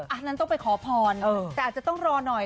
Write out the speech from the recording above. อันนั้นต้องไปขอพรแต่อาจจะต้องรอหน่อย